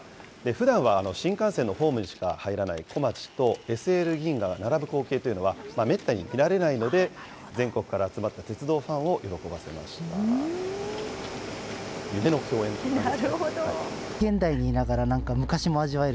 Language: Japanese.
ふだんは新幹線のホームにしか入らないこまちとＳＬ銀河が並ぶ光景というのは、めったに見られないので、全国から集まった鉄道ファンを喜ばせました。夢の共演って感じ。